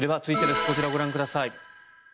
こちらをご覧ください。